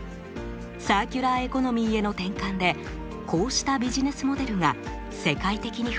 サーキュラーエコノミーへの転換でこうしたビジネスモデルが世界的に増えているのです。